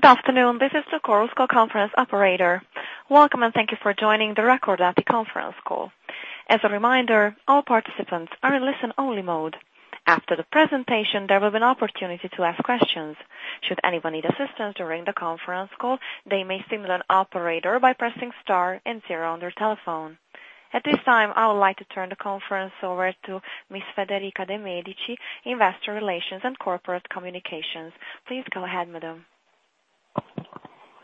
Good afternoon. This is the Chorus Call conference operator. Welcome, and thank you for joining the Recordati conference call. As a reminder, all participants are in listen-only mode. After the presentation, there will be an opportunity to ask questions. Should anyone need assistance during the conference call, they may signal an operator by pressing star and zero on their telephone. At this time, I would like to turn the conference over to Ms. Federica De Medici, Investor Relations and Corporate Communications. Please go ahead, madam.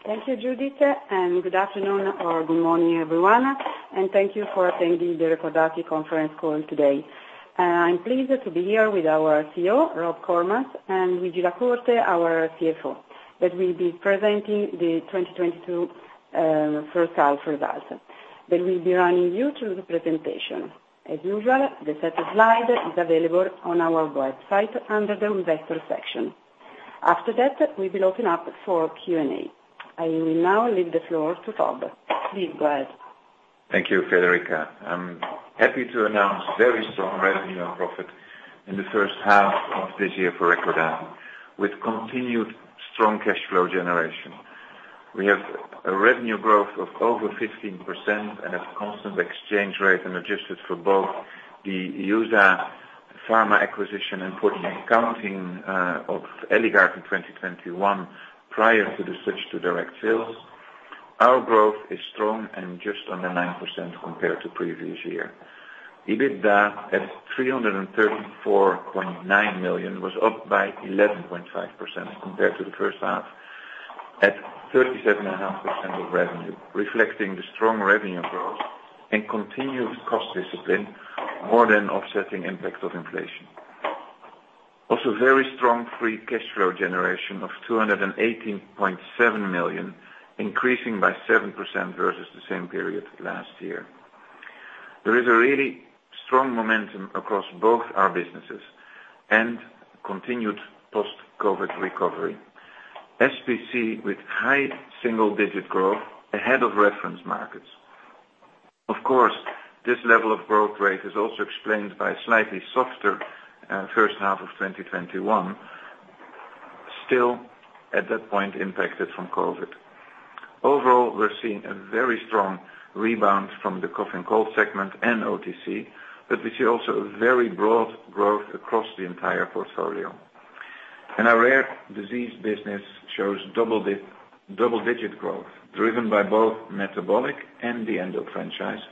Thank you, Judith, and good afternoon or good morning everyone, and thank you for attending the Recordati conference call today. I'm pleased to be here with our CEO, Robert Koremans, and Luigi La Corte, our CFO, that will be presenting the 2022 first half results. They will be running you through the presentation. As usual, the set of slides is available on our website under the investor section. After that, we'll be opening up for Q&A. I will now leave the floor to Robert. Please go ahead. Thank you, Federica. I'm happy to announce very strong revenue and profit in the first half of this year for Recordati. With continued strong cash flow generation, we have a revenue growth of over 15% at constant exchange rate and adjusted for both the EUSA Pharma acquisition and for accounting of Eli Lilly in 2021 prior to the switch to direct sales. Our growth is strong and just under 9% compared to previous year. EBITDA at 334.9 million was up by 11.5% compared to the first half at 37.5% of revenue, reflecting the strong revenue growth and continued cost discipline more than offsetting impact of inflation. Very strong free cash flow generation of 218.7 million, increasing by 7% versus the same period last year. There is a really strong momentum across both our businesses and continued post-COVID recovery. SPC with high single digit growth ahead of reference markets. Of course, this level of growth rate is also explained by slightly softer first half of 2021, still at that point impacted from COVID. Overall, we're seeing a very strong rebound from the cough and cold segment and OTC, but we see also a very broad growth across the entire portfolio. In our rare disease business shows double-digit growth, driven by both metabolic and the endoc franchise,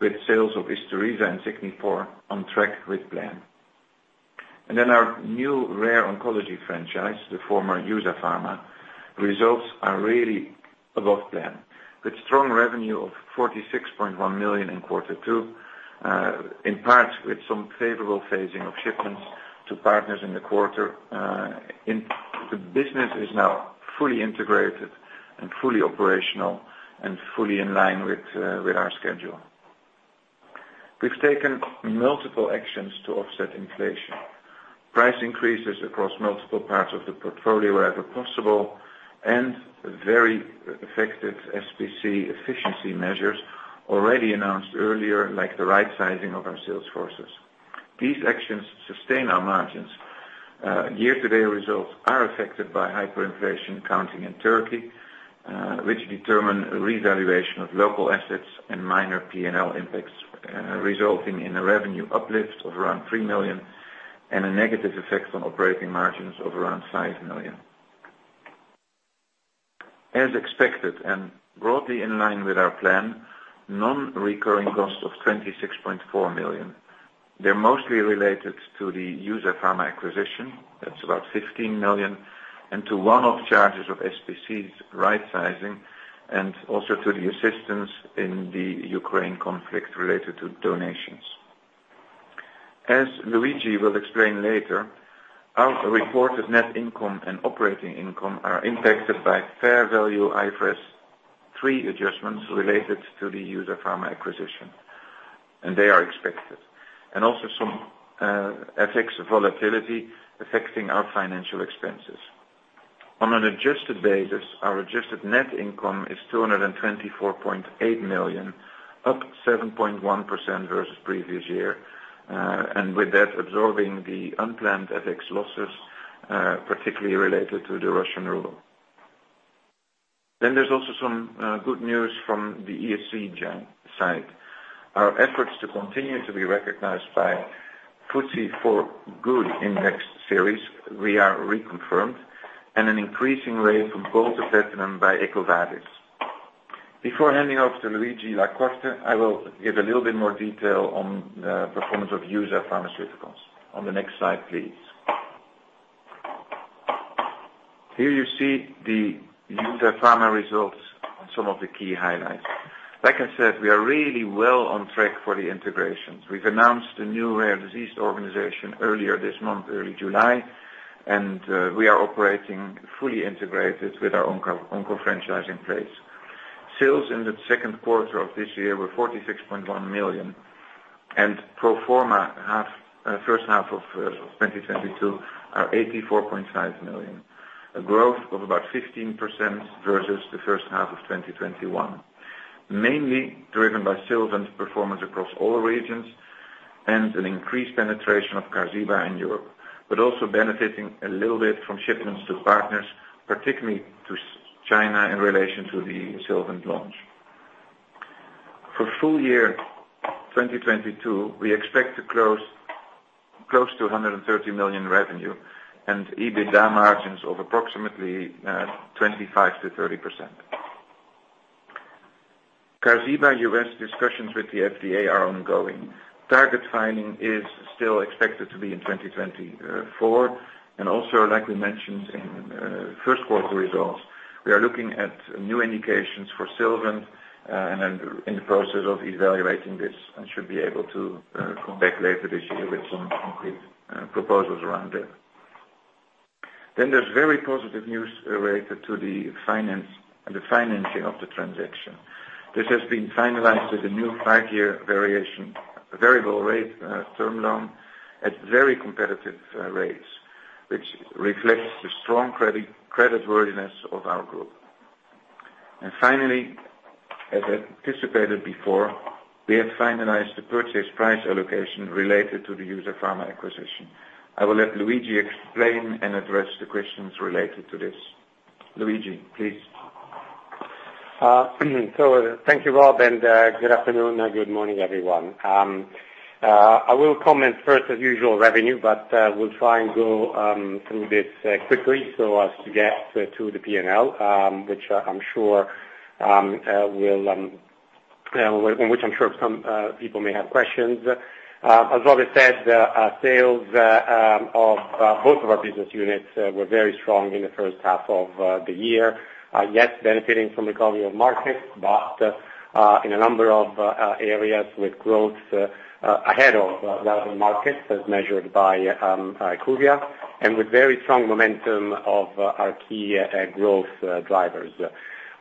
with sales of Isturisa and Signifor on track with plan. Our new rare oncology franchise, the former EUSA Pharma, results are really above plan. With strong revenue of 46.1 million in quarter two, in part with some favorable phasing of shipments to partners in the quarter. The business is now fully integrated and fully operational and fully in line with our schedule. We've taken multiple actions to offset inflation. Price increases across multiple parts of the portfolio wherever possible, and very effective SPC efficiency measures already announced earlier, like the right sizing of our sales forces. These actions sustain our margins. Year-to-date results are affected by hyperinflation accounting in Turkey, which determine revaluation of local assets and minor P&L impacts, resulting in a revenue uplift of around 3 million and a negative effect on operating margins of around 5 million. As expected and broadly in line with our plan, non-recurring cost of 26.4 million. They're mostly related to the EUSA Pharma acquisition. That's about 15 million, and to one-off charges of SPC's right sizing and also to the assistance in the Ukraine conflict related to donations. As Luigi will explain later, our reported net income and operating income are impacted by fair value IFRS 3 adjustments related to the EUSA Pharma acquisition, and they are expected. Also some FX volatility affecting our financial expenses. On an adjusted basis, our adjusted net income is 224.8 million, up 7.1% versus previous year. With that, absorbing the unplanned FX losses, particularly related to the Russian ruble. There's also some good news from the ESG side. Our efforts to continue to be recognized by FTSE4Good Index Series, we are reconfirmed and an increased rating from Gold to Platinum by EcoVadis. Before handing off to Luigi La Corte, I will give a little bit more detail on the performance of EUSA Pharmaceuticals. On the next slide, please. Here you see the EUSA Pharma results and some of the key highlights. Like I said, we are really well on track for the integrations. We've announced a new rare disease organization earlier this month, early July, and we are operating fully integrated with our onco franchise in place. Sales in the second quarter of this year were 46.1 million. Pro forma first half of 2022 are 84.5 million, a growth of about 15% versus the first half of 2021. Mainly driven by sales and performance across all regions. An increased penetration of Qarziba in Europe, but also benefiting a little bit from shipments to partners, particularly to China, in relation to the Sylvant launch. For full year 2022, we expect to close to 130 million revenue and EBITDA margins of approximately 25%-30%. Qarziba U.S. discussions with the FDA are ongoing. Target filing is still expected to be in 2024. Also, like we mentioned in first quarter results, we are looking at new indications for Sylvant and in the process of evaluating this and should be able to come back later this year with some complete proposals around it. There's very positive news related to the financing of the transaction. This has been finalized with a new five-year variable rate term loan at very competitive rates, which reflects the strong creditworthiness of our group. Finally, as anticipated before, we have finalized the purchase price allocation related to the EUSA Pharma acquisition. I will let Luigi explain and address the questions related to this. Luigi, please. Thank you, Rob, and good afternoon and good morning, everyone. I will comment first as usual revenue, but we'll try and go through this quickly so as to get to the P&L, which I'm sure some people may have questions. As Rob has said, our sales of both of our business units were very strong in the first half of the year. Yes, benefiting from recovery of markets, but in a number of areas with growth ahead of relevant markets as measured by IQVIA, and with very strong momentum of our key growth drivers.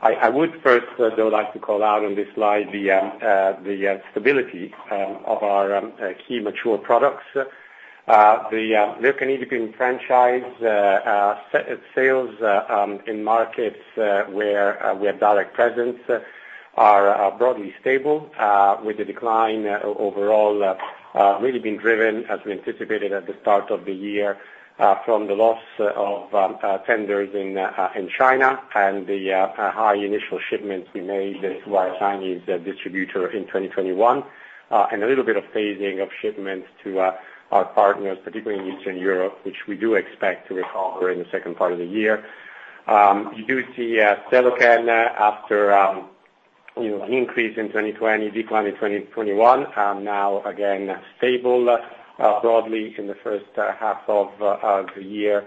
I would first, though, like to call out on this slide the stability of our key mature products. The liraglutide franchise sales in markets where we have direct presence are broadly stable, with the decline overall really being driven, as we anticipated at the start of the year, from the loss of tenders in China and the high initial shipments we made to our Chinese distributor in 2021, and a little bit of phasing of shipments to our partners, particularly in Eastern Europe, which we do expect to recover in the second part of the year. You do see Seloken after, you know, an increase in 2020, decline in 2021, now again stable broadly in the first half of the year,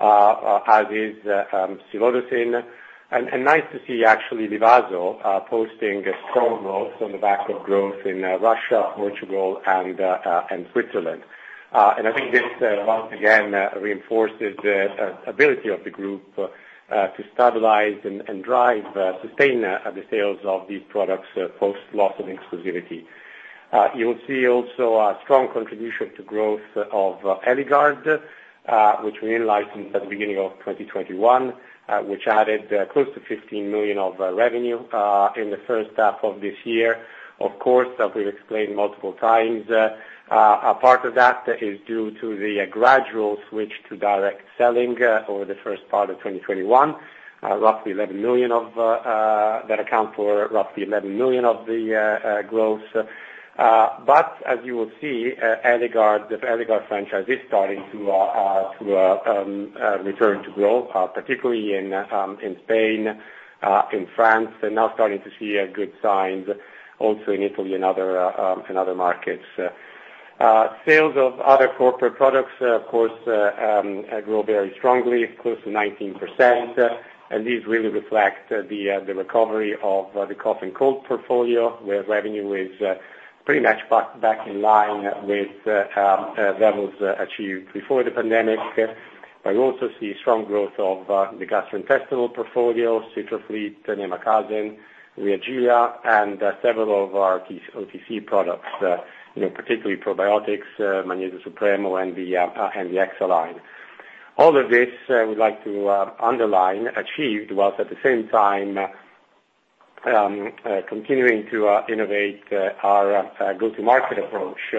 as is Silodosin. Nice to see actually Livazo posting strong growth on the back of growth in Russia, Portugal and Switzerland. I think this once again reinforces the ability of the group to stabilize and drive sustain the sales of these products post-loss of exclusivity. You'll see also a strong contribution to growth of Eligard, which we realized at the beginning of 2021, which added close to 15 million of revenue in the first half of this year. Of course, as we've explained multiple times, a part of that is due to the gradual switch to direct selling over the first part of 2021, roughly 11 million of that account for roughly 11 million of the growth. As you will see, Eligard, the Eligard franchise is starting to return to growth, particularly in Spain, in France, and now starting to see good signs also in Italy and other markets. Sales of other corporate products, of course, grew very strongly, close to 19%. These really reflect the recovery of the cough and cold portfolio, where revenue is pretty much back in line with levels achieved before the pandemic. You also see strong growth of the gastrointestinal portfolio, Citrafleet, Lomexin, Reagila, and several of our OTC products, you know, particularly probiotics, Magnesio Supremo and the Endo. All of this, I would like to underline, achieved whilst at the same time, continuing to innovate our go-to-market approach,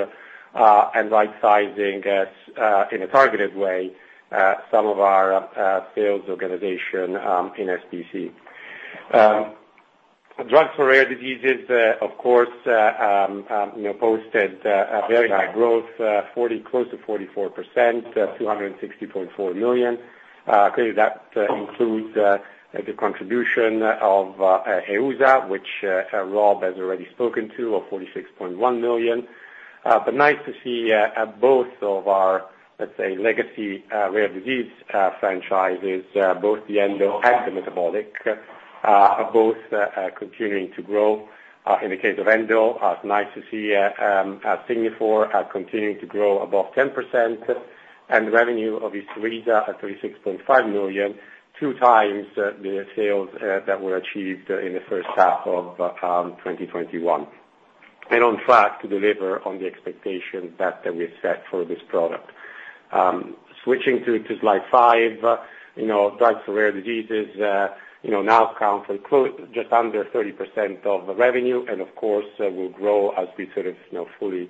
and right sizing us in a targeted way some of our sales organization in SPC. Drugs for rare diseases, of course, you know, posted a very high growth, close to 44%, 260.4 million. Clearly that includes the contribution of EUSA, which Rob has already spoken to, of 46.1 million. But nice to see both of our, let's say, legacy rare disease franchises, both the Endo and the metabolic, both continuing to grow. In the case of Endo, it's nice to see Signifor continuing to grow above 10% and revenue of Isturisa at 36.5 million, 2x the sales that were achieved in the first half of 2021. On track to deliver on the expectation that we set for this product. Switching to slide five, you know, drugs for rare diseases now account for just under 30% of the revenue, and of course, will grow as we sort of, you know, fully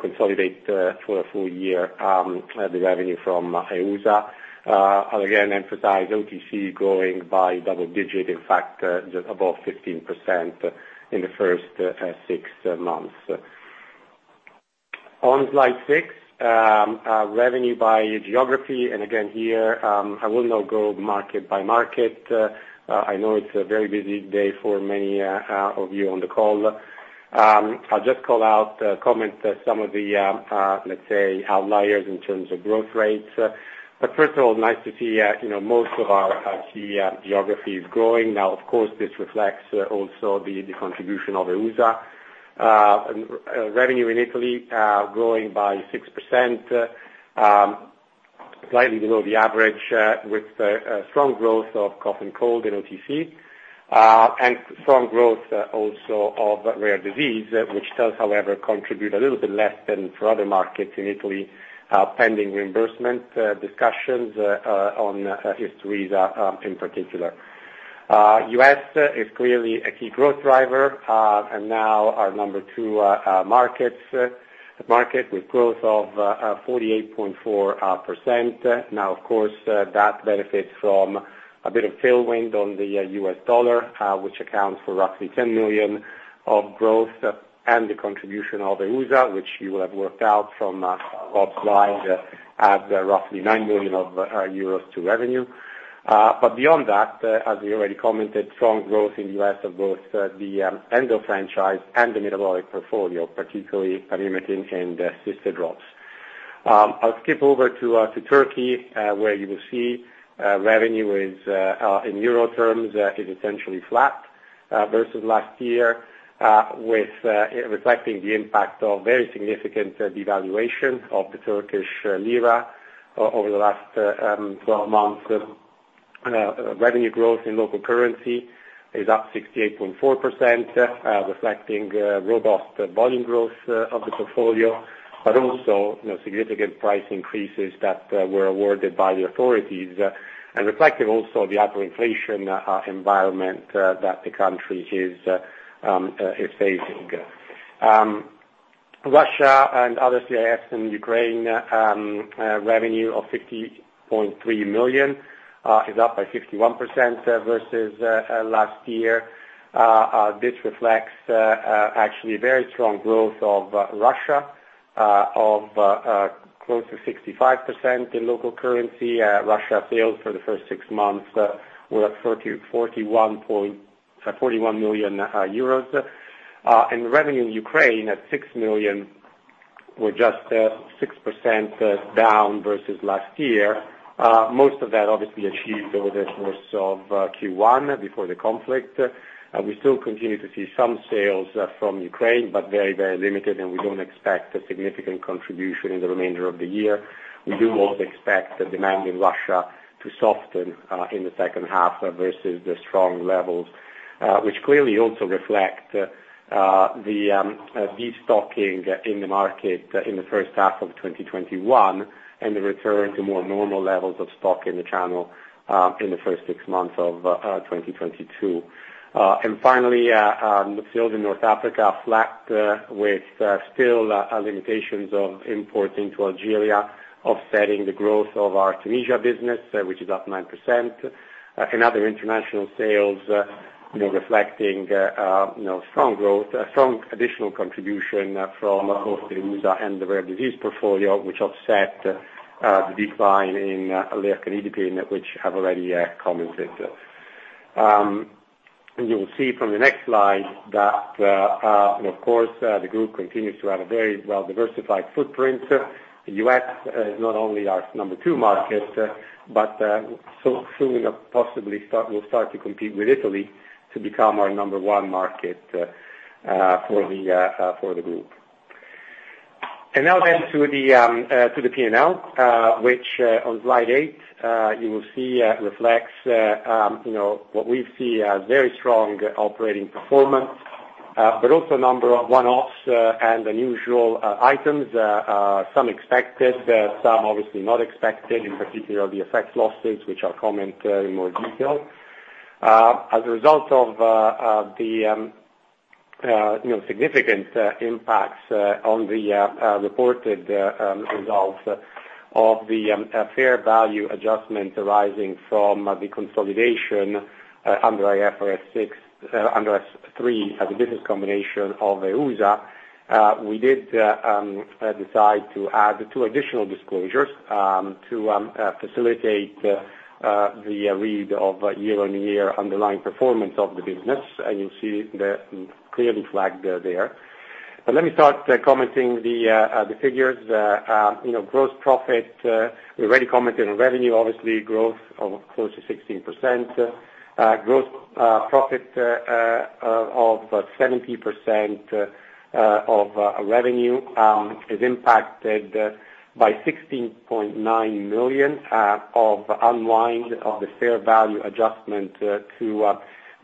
consolidate for a full year the revenue from EUSA. Again, emphasize OTC growing by double digit, in fact, just above 15% in the first six months. On slide six, revenue by geography, and again here, I will not go market by market. I know it's a very busy day for many of you on the call. I'll just call out, comment some of the, let's say outliers in terms of growth rates. First of all, nice to see, you know, most of our key geographies growing. Now, of course, this reflects also the contribution of EUSA. Revenue in Italy, growing by 6%, slightly below the average, with, strong growth of cough and cold in OTC, and strong growth also of rare disease, which does however contribute a little bit less than for other markets in Italy, pending reimbursement, discussions, on, Isturisa, in particular. U.S. is clearly a key growth driver, and now our number two market with growth of, 48.4%. Now of course, that benefits from a bit of tailwind on the U.S. dollar, which accounts for roughly 10 million of growth and the contribution of EUSA, which you will have worked out from Rob's slide at roughly 9 million euros to revenue. Beyond that, as we already commented, strong growth in the U.S. of both the Endo franchise and the metabolic portfolio, particularly Farxiga and Cystadrops. I'll skip over to Turkey, where you will see revenue is in euro terms essentially flat versus last year with reflecting the impact of very significant devaluation of the Turkish lira over the last 12 months. Revenue growth in local currency is up 68.4%, reflecting robust volume growth of the portfolio, but also, you know, significant price increases that were awarded by the authorities, and reflecting also the hyperinflation environment that the country is facing. Russia and other CIS and Ukraine revenue of 50.3 million is up by 51% versus last year. This reflects actually very strong growth of Russia of close to 65% in local currency. Russia sales for the first six months were at 41 million euros. Revenue in Ukraine at 6 million were just 6% down versus last year. Most of that obviously achieved over the course of Q1 before the conflict. We still continue to see some sales from Ukraine, but very, very limited, and we don't expect a significant contribution in the remainder of the year. We do also expect the demand in Russia to soften in the second half versus the strong levels which clearly also reflect the destocking in the market in the first half of 2021 and the return to more normal levels of stock in the channel in the first six months of 2022. Finally, sales in North Africa flat with still limitations of imports into Algeria offsetting the growth of our Tunisia business, which is up 9%. Other international sales, you know, reflecting, you know, strong growth, strong additional contribution from both EUSA and the rare disease portfolio which offset the decline in Alec and Idipine, which I have already commented. You will see from the next slide that, of course, the group continues to have a very well-diversified footprint. The U.S. is not only our number two market, but will start to compete with Italy to become our number one market for the group. To the P&L, which on slide eight you will see reflects you know what we see a very strong operating performance but also a number of one-offs and unusual items some expected some obviously not expected, in particular the FX losses, which I'll comment in more detail. As a result of the you know significant impacts on the reported results of the fair value adjustment arising from the consolidation under IFRS 3 as a business combination of EUSA, we did decide to add two additional disclosures to facilitate the reading of year-on-year underlying performance of the business, and you'll see that clearly flagged there. Let me start commenting the figures. You know, gross profit, we already commented on revenue, obviously growth of close to 16%. Gross profit of 70% of revenue is impacted by 16.9 million of unwind of the fair value adjustment to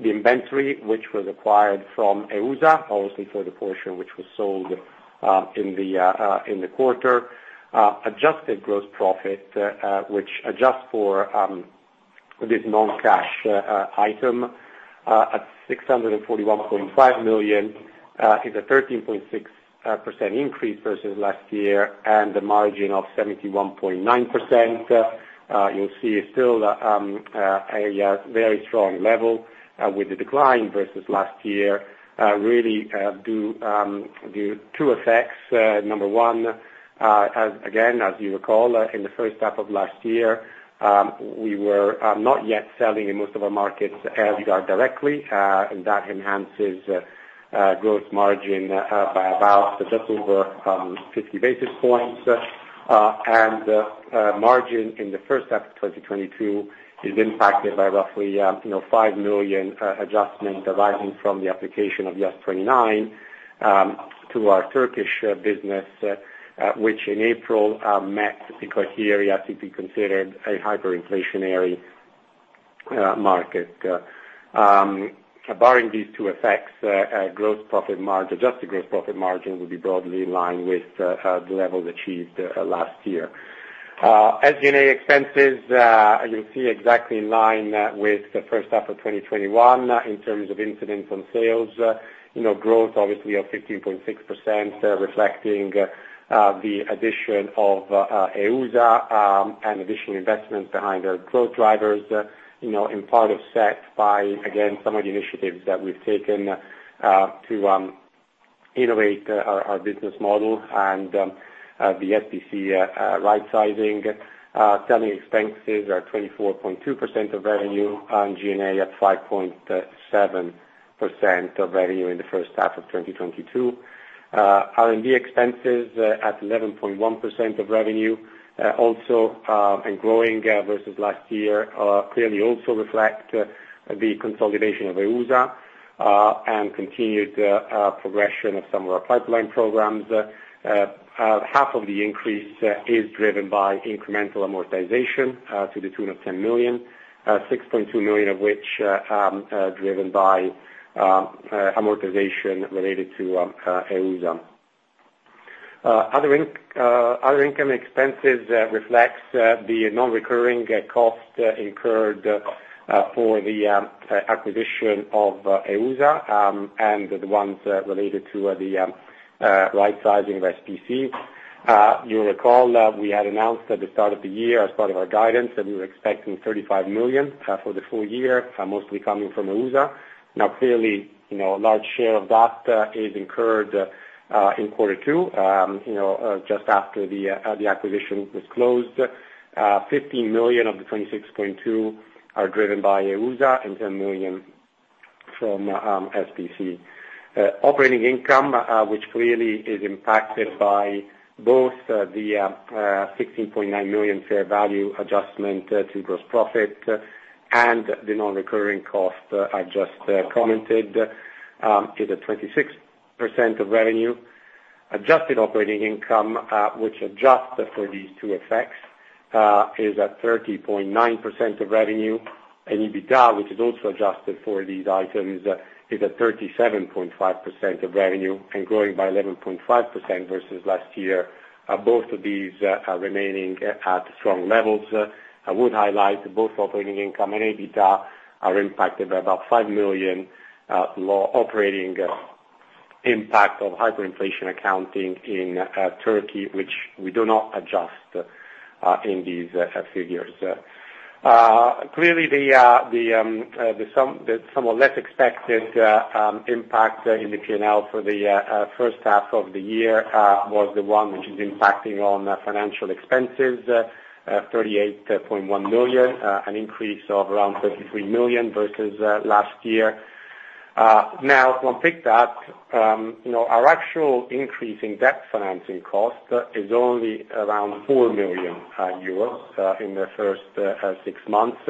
the inventory which was acquired from EUSA, obviously for the portion which was sold in the quarter. Adjusted gross profit, which adjust for this non-cash item, at 641.5 million, is a 13.6% increase versus last year, and the margin of 71.9%, you'll see is still a very strong level, with the decline versus last year really due to two effects. Number one, as you recall, in the first half of last year, we were not yet selling in most of our markets, Eligard directly, and that enhances gross margin by about just over 50 basis points. Margin in the first half of 2022 is impacted by roughly, you know, 5 million adjustment arising from the application of IAS 29 to our Turkish business, which in April met the criteria to be considered a hyperinflationary market. Barring these two effects, a gross profit margin, adjusted gross profit margin would be broadly in line with the levels achieved last year. SG&A expenses, you'll see exactly in line with the first half of 2021 in terms of incidence on sales, you know, growth obviously of 15.6%, reflecting, the addition of, EUSA, and additional investments behind our growth drivers, you know, in part offset by, again, some of the initiatives that we've taken, to, innovate our business model and, the SPC, rightsizing. Selling expenses are 24.2% of revenue on G&A at 5.7% of revenue in the first half of 2022. R&D expenses at 11.1% of revenue, also, and growing versus last year, clearly also reflect the consolidation of EUSA, and continued, progression of some of our pipeline programs. Half of the increase is driven by incremental amortization to the tune of 10 million, 6.2 million of which driven by amortization related to EUSA. Other income/expenses reflects the non-recurring cost incurred for the acquisition of EUSA and the ones related to the rightsizing of SPC. You'll recall that we had announced at the start of the year as part of our guidance that we were expecting 35 million for the full year, mostly coming from EUSA. Now, clearly, you know, a large share of that is incurred in quarter two, you know, just after the acquisition was closed. 15 million of the 26.2 million are driven by EUSA and 10 million from SPC. Operating income, which clearly is impacted by both the 16.9 million fair value adjustment to gross profit and the non-recurring costs I just commented, is at 26% of revenue. Adjusted operating income, which adjust for these two effects, is at 30.9% of revenue and EBITDA, which is also adjusted for these items, is at 37.5% of revenue and growing by 11.5% versus last year. Both of these remaining at strong levels. I would highlight both operating income and EBITDA are impacted by about 5 million low operating impact of hyperinflation accounting in Turkey, which we do not adjust in these figures. Clearly the somewhat less expected impact in the P&L for the first half of the year was the one which is impacting on financial expenses, 38.1 million, an increase of around 33 million versus last year. Now if you pick that, you know, our actual increase in debt financing cost is only around 4 million euros in the first six months,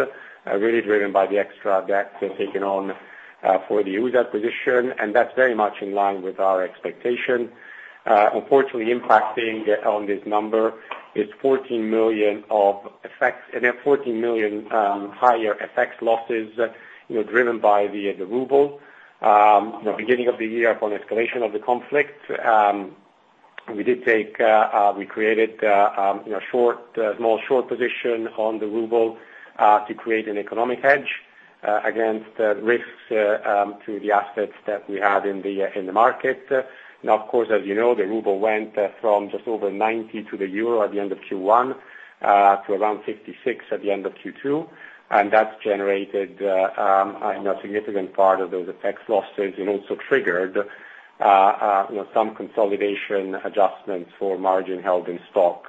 really driven by the extra debt taken on for the EUSA acquisition, and that's very much in line with our expectation. Unfortunately, impacting on this number is 14 million of FX effects and 14 million higher FX losses, you know, driven by the ruble. You know, beginning of the year, upon escalation of the conflict, we created a small short position on the ruble to create an economic hedge against risks to the assets that we had in the market. Now, of course, as you know, the ruble went from just over 90 to the euro at the end of Q1 to around 56 at the end of Q2. That's generated a significant part of those tax losses and also triggered some consolidation adjustments for margin held in stock.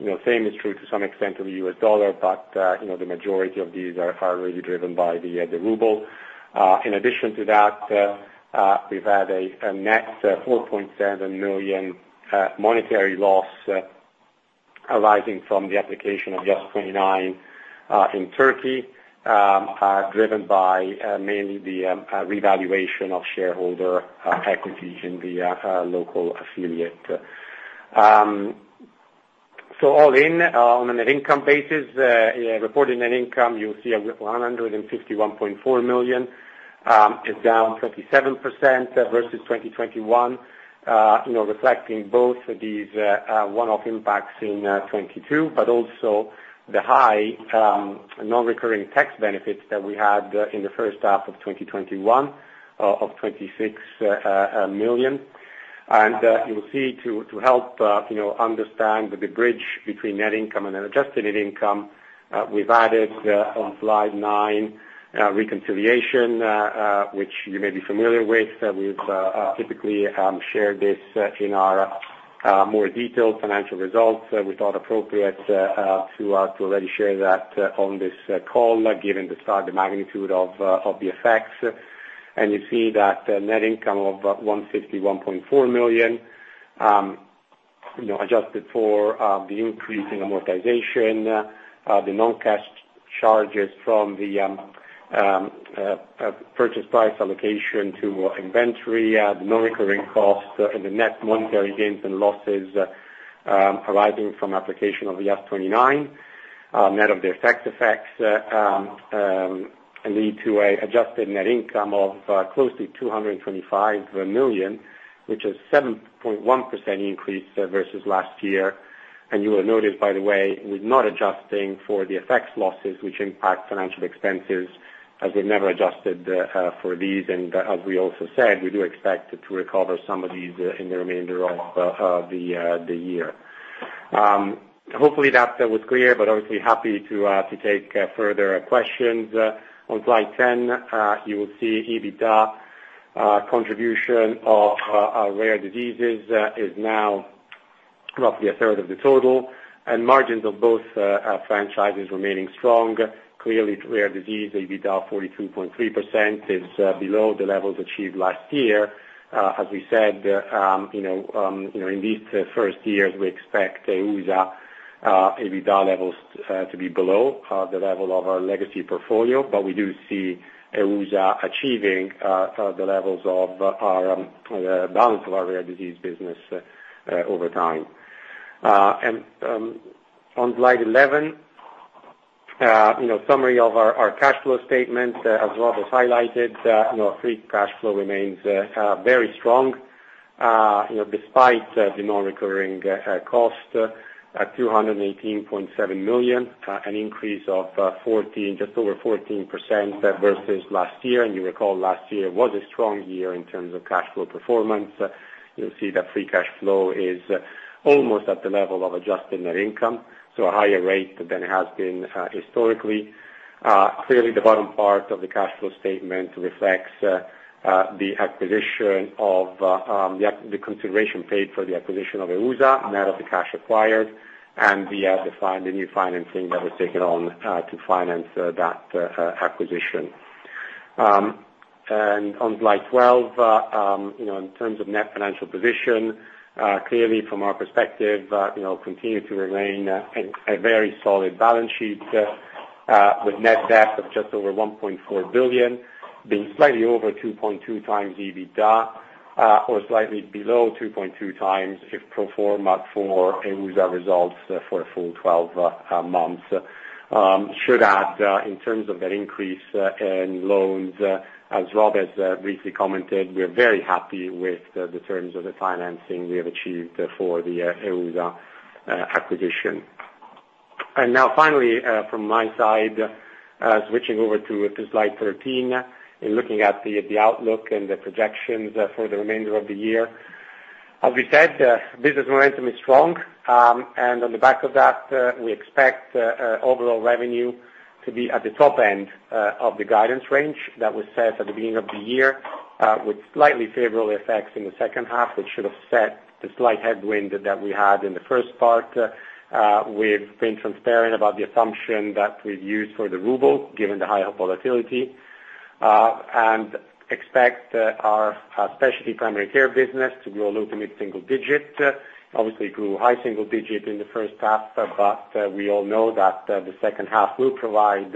You know, same is true to some extent of the U.S. dollar, but you know, the majority of these are primarily driven by the ruble. In addition to that, we've had a net 4.7 million monetary loss arising from the application of IAS 29 in Turkey, driven by mainly the revaluation of shareholder equities in the local affiliate. So all in, on a net income basis, reported net income, you'll see EUR 151.4 million is down 27% versus 2021, you know, reflecting both these one-off impacts in 2022, but also the high non-recurring tax benefits that we had in the first half of 2021 of 26 million. You'll see to help you know understand the bridge between net income and then adjusted net income, we've added on slide 9 reconciliation, which you may be familiar with. We've typically shared this in our more detailed financial results. We thought appropriate to already share that on this call, given the size and magnitude of the effects. You see that net income of 151.4 million, you know, adjusted for the increase in amortization, the non-cash charges from the purchase price allocation to inventory, the non-recurring costs and the net monetary gains and losses arising from application of the IAS 29. Net of the FX effects lead to a adjusted net income of closely 225 million, which is 7.1% increase versus last year. You will notice, by the way, we're not adjusting for the FX losses which impact financial expenses, as we've never adjusted for these. As we also said, we do expect to recover some of these in the remainder of the year. Hopefully that was clear, but obviously happy to take further questions. On slide 10, you will see EBITDA contribution of our rare diseases is now roughly a third of the total, and margins of both franchises remaining strong. Clearly, rare disease EBITDA 42.3% is below the levels achieved last year. As we said, you know, in these first years, we expect EUSA EBITDA levels to be below the level of our legacy portfolio. We do see EUSA achieving the levels of our balance of our rare disease business over time. On slide 11, you know, summary of our cash flow statement, as Robert has highlighted, you know, free cash flow remains very strong, you know, despite the non-recurring cost, 218.7 million, an increase of 14, just over 14% versus last year. You recall last year was a strong year in terms of cash flow performance. You'll see that free cash flow is almost at the level of adjusted net income, so a higher rate than it has been historically. Clearly, the bottom part of the cash flow statement reflects the consideration paid for the acquisition of EUSA, net of the cash acquired, and the new financing that was taken on to finance that acquisition. On slide 12, you know, in terms of net financial position, clearly from our perspective, you know, continue to remain a very solid balance sheet with net debt of just over 1.4 billion, being slightly over 2.2x EBITDA, or slightly below 2.2x if pro forma for EUSA results for a full 12 months. Should add, in terms of that increase in loans, as Rob has briefly commented, we are very happy with the terms of the financing we have achieved for the EUSA acquisition. Now finally, from my side, switching over to slide 13, in looking at the outlook and the projections for the remainder of the year, as we said, business momentum is strong. On the back of that, we expect overall revenue to be at the top end of the guidance range that was set at the beginning of the year, with slightly favorable effects in the second half, which should offset the slight headwind that we had in the first part. We've been transparent about the assumption that we've used for the ruble, given the high volatility, and expect our specialty primary care business to grow low- to mid-single-digit. Obviously, it grew high-single-digit in the first half, but we all know that the second half will provide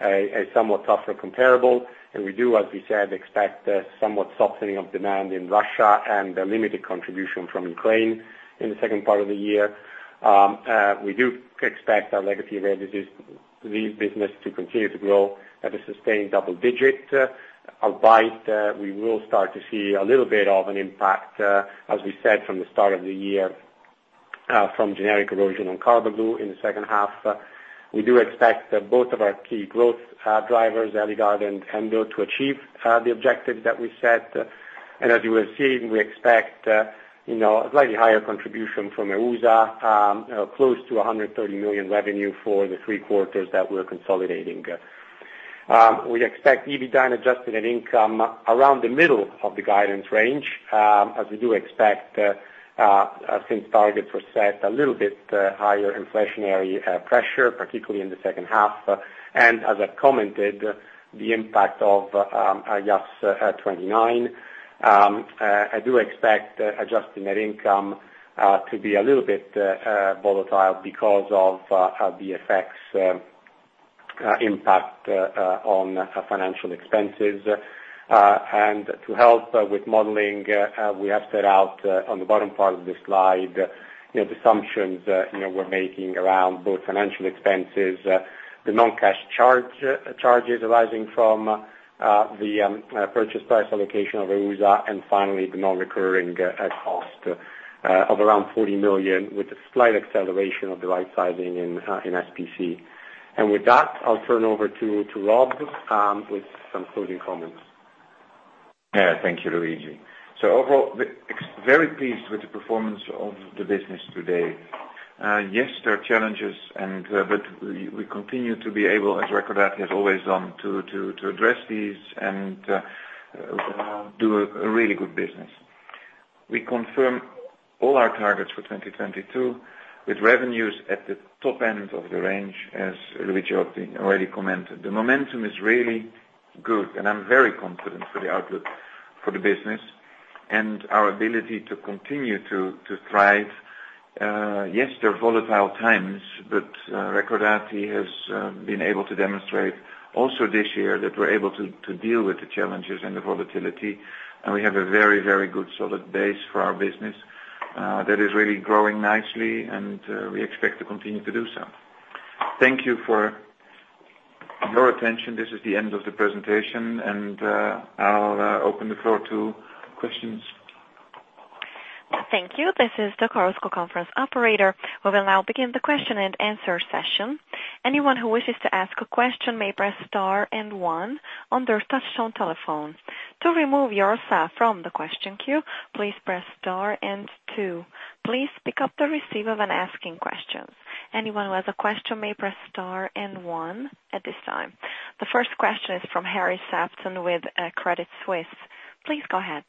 a somewhat tougher comparable. We do, as we said, expect a somewhat softening of demand in Russia and a limited contribution from Ukraine in the second part of the year. We do expect our legacy rare disease business to continue to grow at a sustained double-digit, albeit we will start to see a little bit of an impact, as we said from the start of the year, from generic erosion on Carbaglu in the second half. We do expect both of our key growth drivers, Eligard and Endo, to achieve the objectives that we set. As you will see, we expect you know, a slightly higher contribution from EUSA, close to 130 million revenue for the three quarters that we're consolidating. We expect EBITDA and adjusted net income around the middle of the guidance range, as we do expect since targets were set a little bit higher inflationary pressure, particularly in the second half. As I've commented, the impact of IAS 29. I do expect adjusted net income to be a little bit volatile because of the effects impact on financial expenses. To help with modeling, we have set out on the bottom part of this slide, you know, the assumptions, you know, we're making around both financial expenses, the non-cash charges arising from the purchase price allocation of EUSA and finally the non-recurring cost of around 40 million with a slight acceleration of the rightsizing in SPC. With that, I'll turn over to Rob with some closing comments. Yeah. Thank you, Luigi. Overall, very pleased with the performance of the business today. Yes, there are challenges and, but we continue to be able, as Recordati has always done, to address these and, do a really good business. We confirm all our targets for 2022, with revenues at the top end of the range, as Luigi already commented. The momentum is really good, and I'm very confident for the outlook for the business and our ability to continue to thrive. Yes, there are volatile times, but Recordati has been able to demonstrate also this year that we're able to deal with the challenges and the volatility. We have a very good solid base for our business, that is really growing nicely and, we expect to continue to do so. Thank you for your attention. This is the end of the presentation and I'll open the floor to questions. Thank you. This is the Chorus Call Conference Operator. We will now begin the question and answer session. Anyone who wishes to ask a question may press star and one on their touch tone telephone. To remove yourself from the question queue, please press star and two. Please pick up the receiver when asking questions. Anyone who has a question may press star and one at this time. The first question is from Harry Sephton with Credit Suisse. Please go ahead.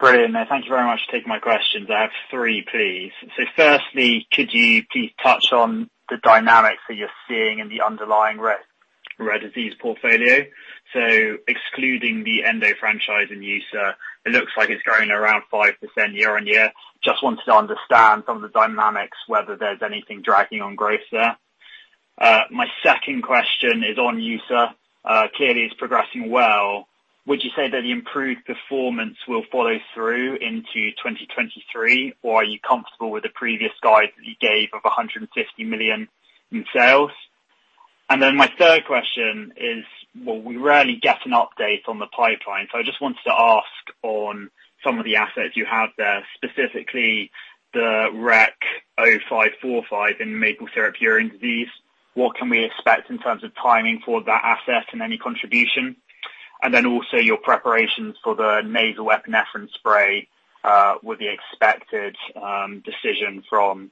Brilliant. Thank you very much for taking my questions. I have three, please. Firstly, could you please touch on the dynamics that you're seeing in the underlying rare disease portfolio? Excluding the Endo franchise in U.S.A, it looks like it's growing around 5% year-on-year. Just wanted to understand some of the dynamics, whether there's anything dragging on growth there. My second question is on U.S.A. Clearly, it's progressing well. Would you say that the improved performance will follow through into 2023, or are you comfortable with the previous guide that you gave of 150 million in sales? My third question is, well, we rarely get an update on the pipeline. I just wanted to ask on some of the assets you have there, specifically the REC 0545 in maple syrup urine disease. What can we expect in terms of timing for that asset and any contribution? Also your preparations for the nasal epinephrine spray with the expected decision from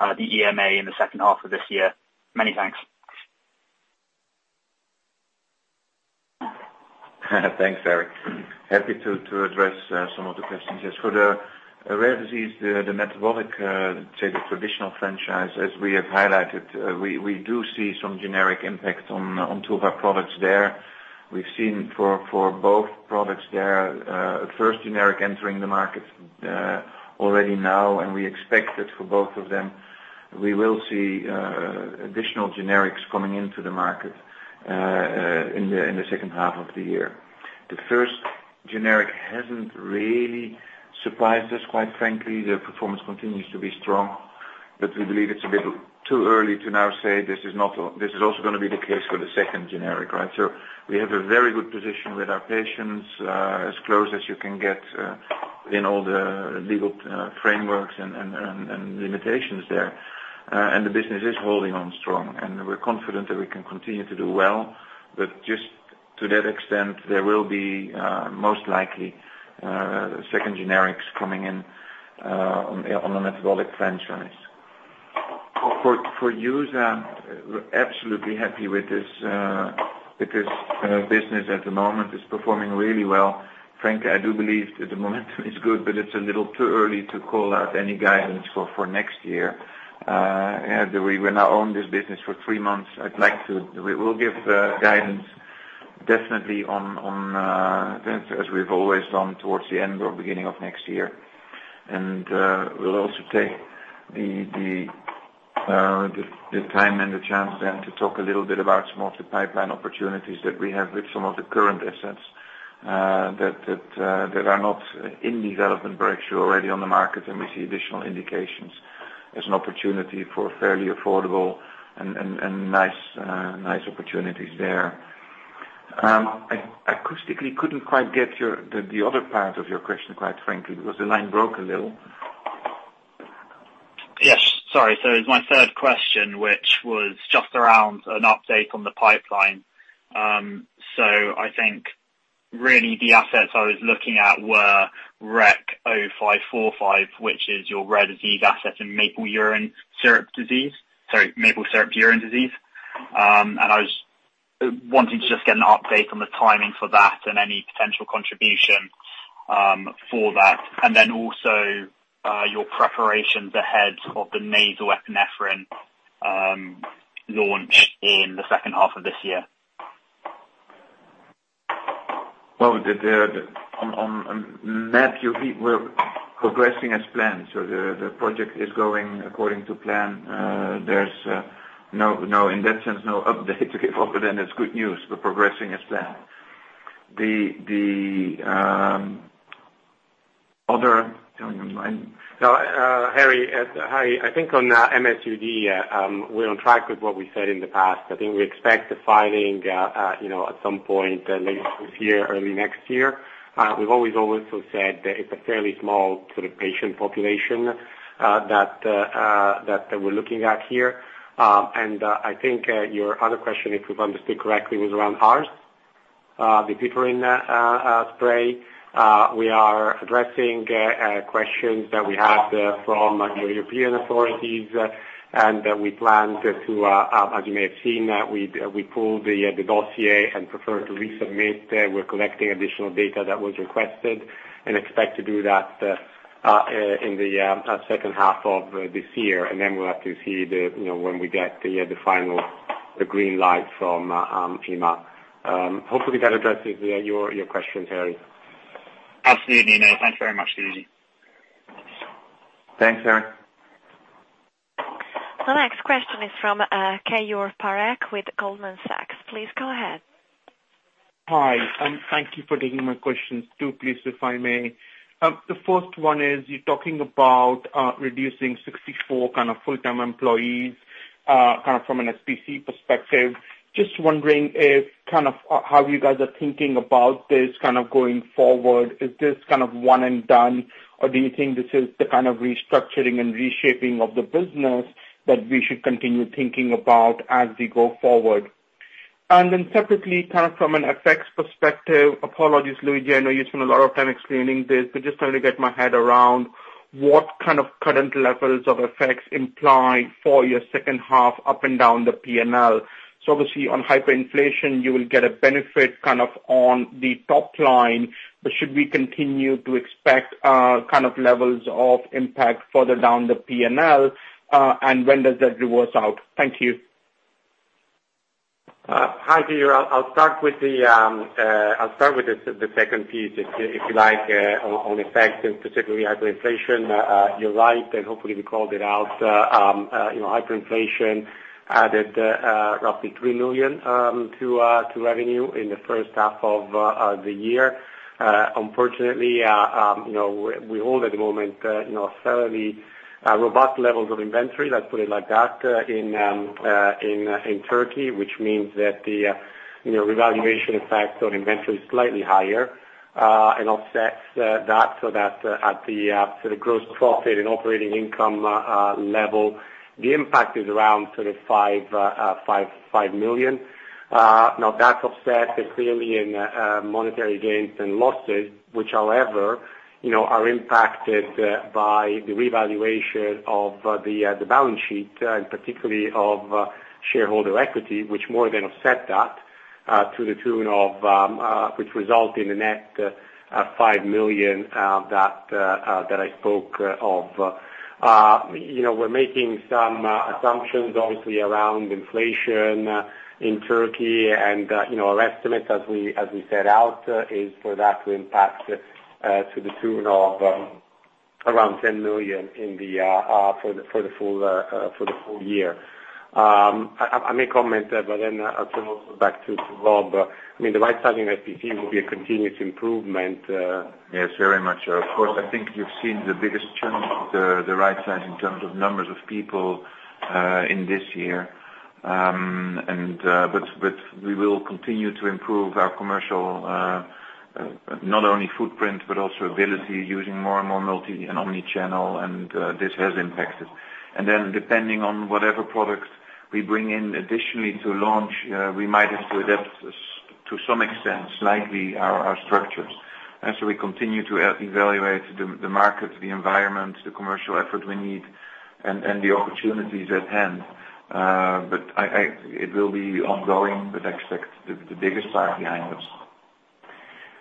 the EMA in the second half of this year. Many thanks. Thanks, Harry. Happy to address some of the questions. Yes, for the rare disease, the metabolic, say, the traditional franchise, as we have highlighted, we do see some generic impact on two of our products there. We've seen for both products there, first generic entering the market, already now, and we expect it for both of them. We will see additional generics coming into the market in the second half of the year. The first generic hasn't really surprised us, quite frankly. The performance continues to be strong, but we believe it's a bit too early to now say this is also gonna be the case for the second generic, right? We have a very good position with our patients, as close as you can get, in all the legal frameworks and limitations there. The business is holding on strong, and we're confident that we can continue to do well. Just to that extent, there will be most likely second generics coming in on the metabolic franchise. For EUSA, we're absolutely happy with this, because the business at the moment is performing really well. Frankly, I do believe that the momentum is good, but it's a little too early to call out any guidance for next year. We now own this business for three months. We'll give guidance definitely on, as we've always done towards the end or beginning of next year. We'll also take the time and the chance then to talk a little bit about some of the pipeline opportunities that we have with some of the current assets that are not in development but actually already on the market and we see additional indications. There's an opportunity for fairly affordable and nice opportunities there. I couldn't quite get the other part of your question, quite frankly, because the line broke a little. Yes. Sorry. It's my third question, which was just around an update on the pipeline. I think really the assets I was looking at were REC 0545, which is your rare disease asset in maple syrup urine disease. I was wanting to just get an update on the timing for that and any potential contribution for that. Also, your preparations ahead of the nasal epinephrine launch in the second half of this year. Well, on MSUD, we're progressing as planned. The project is going according to plan. There's no, in that sense, no update to give other than it's good news. We're progressing as planned. No, Harry, hi. I think on MSUD, we're on track with what we said in the past. I think we expect the filing, you know, at some point late this year, early next year. We've always also said that it's a fairly small sort of patient population that we're looking at here. I think your other question, if we've understood correctly, was around ARS, the different spray. We are addressing questions that we had from the European authorities. We plan to, as you may have seen, we pulled the dossier and prefer to resubmit. We're collecting additional data that was requested and expect to do that in the second half of this year. Then we'll have to see, you know, when we get the final green light from EMA. Hopefully that addresses your question, Harry. Absolutely. No, thanks very much, Luigi. Thanks, Harry. The next question is from Keyur Parekh with Goldman Sachs. Please go ahead. Hi, thank you for taking my questions too, please, if I may. The first one is you're talking about reducing 64 kind of full-time employees kind of from an SPC perspective. Just wondering if kind of how you guys are thinking about this kind of going forward. Is this kind of one and done, or do you think this is the kind of restructuring and reshaping of the business that we should continue thinking about as we go forward? Then separately, kind of from an FX perspective, apologies, Luigi, I know you've spent a lot of time explaining this, but just trying to get my head around what kind of current levels of FX imply for your second half up and down the P&L. Obviously on hyperinflation, you will get a benefit kind of on the top line. Should we continue to expect kind of levels of impact further down the P&L? When does that reverse out? Thank you. Hi Keyur. I'll start with the second piece if you like, on effects and particularly hyperinflation. You're right and hopefully we called it out. You know, hyperinflation added roughly 3 million to revenue in the first half of the year. Unfortunately, you know, we hold at the moment you know fairly robust levels of inventory, let's put it like that, in Turkey, which means that the you know revaluation effects on inventory is slightly higher and offsets that, so that at the gross profit and operating income level, the impact is around sort of 5 million. Now that's offset clearly in monetary gains and losses, which however, you know, are impacted by the revaluation of the balance sheet and particularly of shareholder equity, which more than offset that to the tune of which result in the net 5 million that I spoke of. You know, we're making some assumptions obviously around inflation in Turkey. You know, our estimate as we set out is for that to impact to the tune of around 10 million for the full year. I may comment, but then I'll turn it over back to Rob. I mean, the right sizing SPC will be a continuous improvement. Yes, very much. Of course, I think you've seen the biggest challenge, the right size in terms of numbers of people in this year. We will continue to improve our commercial not only footprint, but also ability using more and more multi and omni-channel, and this has impacted. Depending on whatever products we bring in additionally to launch, we might have to adapt to some extent slightly our structures. We continue to evaluate the market, the environment, the commercial effort we need and the opportunities at hand. It will be ongoing, but I expect the biggest part behind us.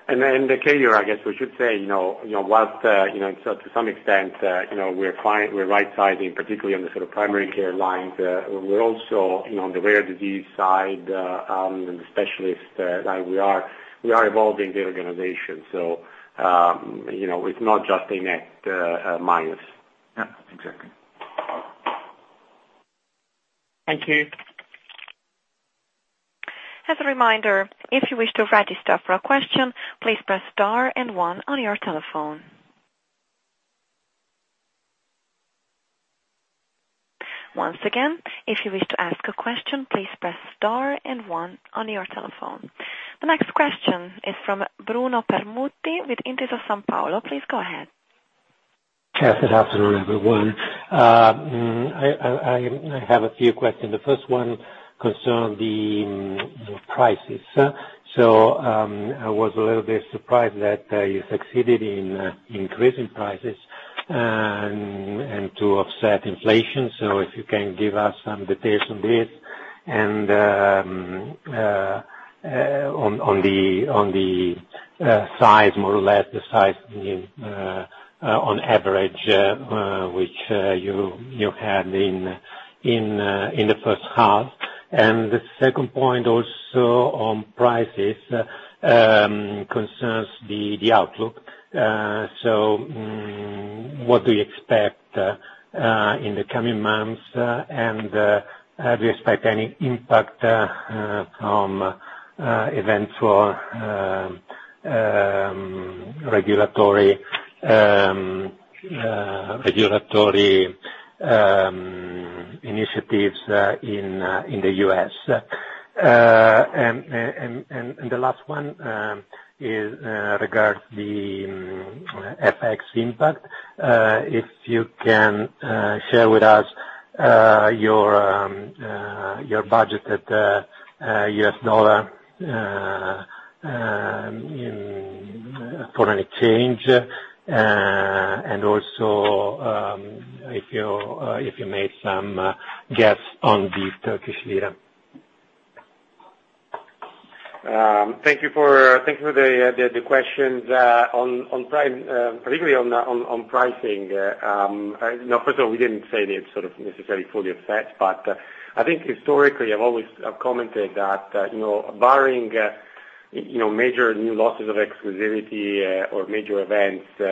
Keyur, I guess we should say, you know, while, you know, so to some extent, you know, we're right sizing, particularly on the sort of primary care lines. We're also, you know, on the rare disease side, and the specialist, like we are evolving the organization. So, you know, it's not just a net minus. Yeah, exactly. Thank you. As a reminder, if you wish to register for a question, please press star and one on your telephone. Once again, if you wish to ask a question, please press star and one on your telephone. The next question is from Bruno Permutti with Intesa Sanpaolo. Please go ahead. Yeah, good afternoon, everyone. I have a few questions. The first one concern the prices. I was a little bit surprised that you succeeded in increasing prices and to offset inflation. If you can give us some details on this and on the size, more or less the size you on average which you had in the first half. The second point also on prices concerns the outlook. What do you expect in the coming months and do you expect any impact from eventual regulatory initiatives in the U.S.? The last one is regards the FX impact. If you can share with us your budget at U.S. dollar for any change, and also if you made some guess on the Turkish lira? Thank you for the questions particularly on pricing. No, first of all, we didn't say it sort of necessarily fully offset, but I think historically I've always commented that you know, barring you know major new losses of exclusivity or major events you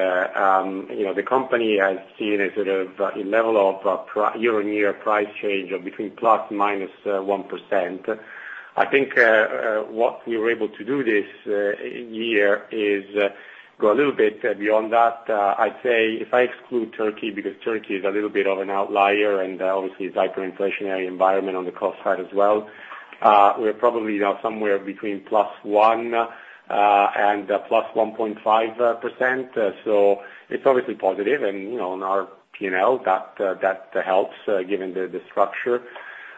know the company has seen a sort of a level of year-on-year price change of between ±1%. I think what we were able to do this year is go a little bit beyond that. I'd say if I exclude Turkey, because Turkey is a little bit of an outlier and obviously it's hyperinflationary environment on the cost side as well, we're probably now somewhere between +1% and +1.5%. So it's obviously positive and, you know, on our P&L that helps, given the structure.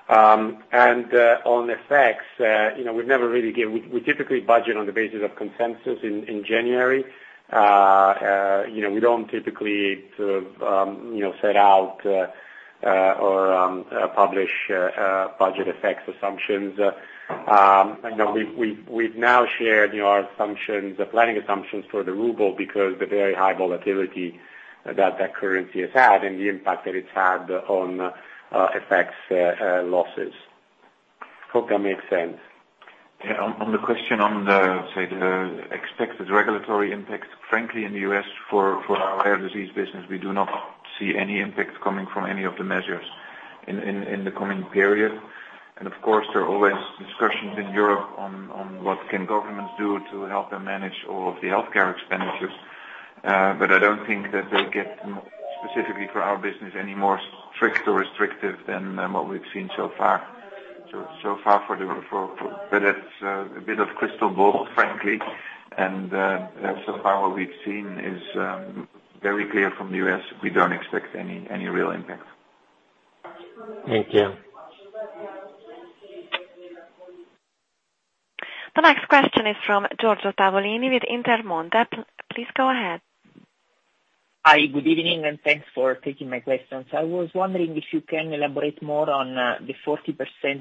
And on FX effects, you know, we've never really give. We typically budget on the basis of consensus in January. You know, we don't typically sort of, you know, set out or publish budget effects assumptions. You know, we've now shared, you know, our assumptions, the planning assumptions for the ruble because the very high volatility that that currency has had and the impact that it's had on FX losses. Hope that makes sense. Yeah. On the question of the expected regulatory impact, frankly, in the U.S. for our rare disease business, we do not see any impact coming from any of the measures in the coming period. Of course, there are always discussions in Europe on what can governments do to help them manage all of the healthcare expenditures. I don't think that they'll get, specifically for our business, any more strict or restrictive than what we've seen so far. So far it's a bit of crystal ball, frankly. So far what we've seen is very clear from the U.S. We don't expect any real impact. Thank you. The next question is from Giorgio Tavolini with Intermonte. Please go ahead. Hi. Good evening, and thanks for taking my questions. I was wondering if you can elaborate more on the 40%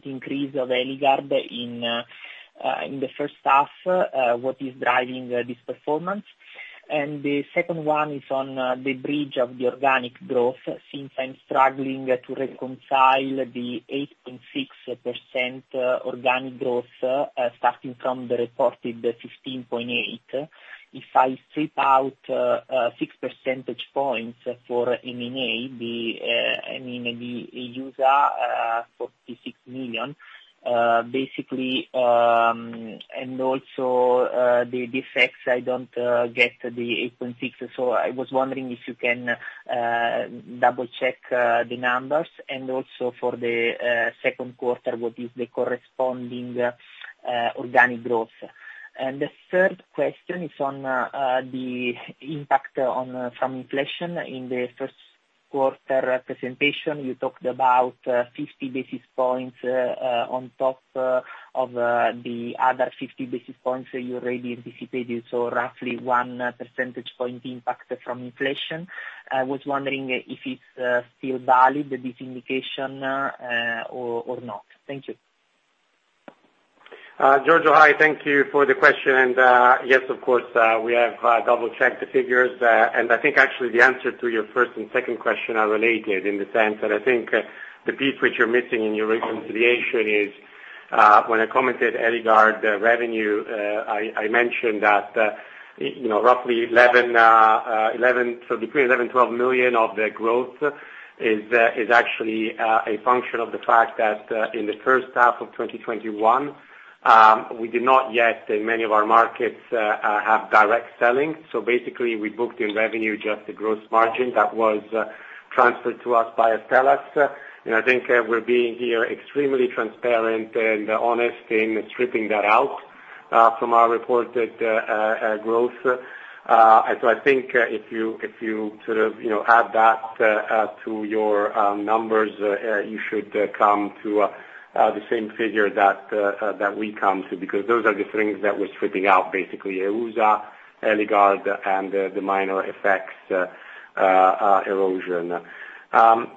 increase of Eligard in the first half, what is driving this performance. The second one is on the bridge of the organic growth since I'm struggling to reconcile the 8.6% organic growth starting from the reported 15.8. If I strip out six percentage points for M&A, I mean, maybe EUSA, 46 million, basically, and also the effects, I don't get the 8.6%. I was wondering if you can double-check the numbers and also for the second quarter, what is the corresponding organic growth. The third question is on the impact from inflation. In the first quarter presentation, you talked about 50 basis points on top of the other 50 basis points you already anticipated, so roughly one percentage point impact from inflation. I was wondering if it's still valid, this indication, or not. Thank you. Giorgio. Hi, thank you for the question. Yes, of course, we have double-checked the figures. I think actually the answer to your first and second question are related in the sense that I think the piece which you're missing in your reconciliation is when I commented Eligard revenue, I mentioned that you know, roughly between 11 million and 12 million of the growth is actually a function of the fact that in the first half of 2021, we did not yet in many of our markets have direct selling. Basically we booked in revenue just the gross margin that was transferred to us by Astellas. I think we're being very extremely transparent and honest in stripping that out from our reported growth. I think if you sort of, you know, add that to your numbers, you should come to the same figure that we come to because those are the things that we're stripping out, basically EUSA, Eligard, and the minor effects erosion.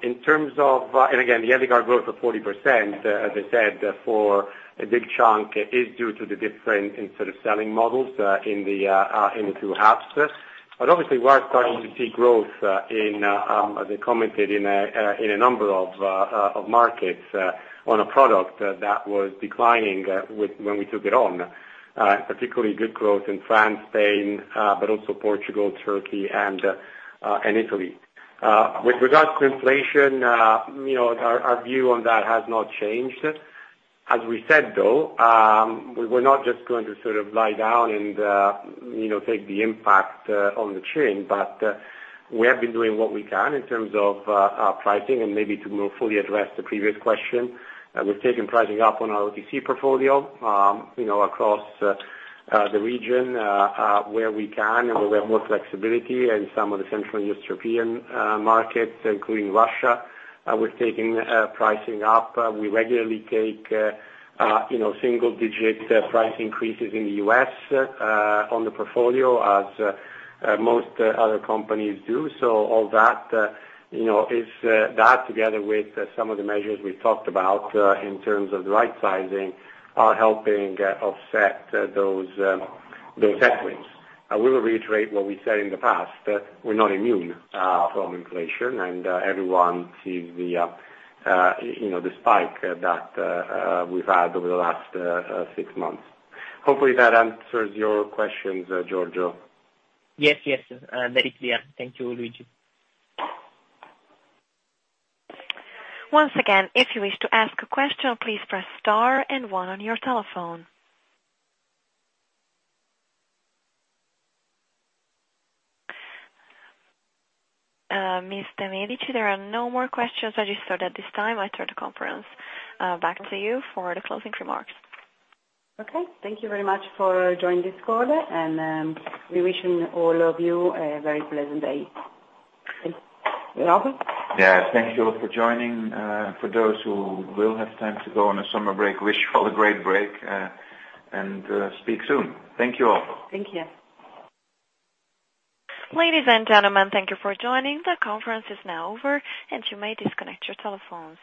In terms of, again, the Eligard growth of 40%, as I said, for a big chunk is due to the difference in sort of selling models in the two halves. Obviously we are starting to see growth, as I commented in a number of markets, on a product that was declining when we took it on, particularly good growth in France, Spain, but also Portugal, Turkey, and Italy. With regards to inflation, you know, our view on that has not changed. As we said though, we were not just going to sort of lie down and, you know, take the impact on the chin, but we have been doing what we can in terms of our pricing and maybe to more fully address the previous question. We've taken pricing up on our OTC portfolio, you know, across the region where we can and where we have more flexibility in some of the central and eastern European markets, including Russia. We're taking pricing up. We regularly take, you know, single-digit price increases in the U.S. on the portfolio as most other companies do. All that, you know, together with some of the measures we've talked about in terms of the right sizing are helping offset those headwinds. I will reiterate what we said in the past, that we're not immune from inflation and everyone sees, you know, the spike that we've had over the last 6 months. Hopefully, that answers your questions, Giorgio. Yes. Yes. Very clear. Thank you, Luigi. Once again, if you wish to ask a question, please press star and one on your telephone. Ms. De Medici, there are no more questions registered at this time. I turn the conference back to you for the closing remarks. Okay. Thank you very much for joining this call and we wish all of you a very pleasant day. Thank you. You're welcome. Yeah. Thank you all for joining. For those who will have time to go on a summer break, wish you all a great break, and speak soon. Thank you all. Thank you. Ladies and gentlemen, thank you for joining. The conference is now over and you may disconnect your telephones.